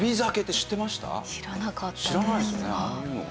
知らないですよね。